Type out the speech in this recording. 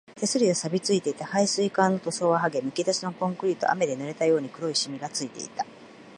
手すりは錆ついて、配水管の塗装ははげ、むき出しのコンクリートは雨で濡れたように黒いしみがついていた